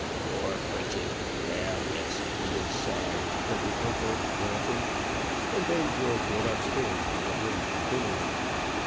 "Poor Pritchett! well; yes, he is sad," said the uncle, laughing; and then George went upstairs to get ready for dinner.